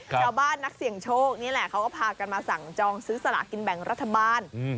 นักเสี่ยงโชคนี่แหละเขาก็พากันมาสั่งจองซื้อสลากินแบ่งรัฐบาล